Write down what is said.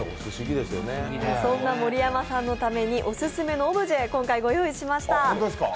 そんな盛山さんのためにオススメのオブジェを今回ご用意しました。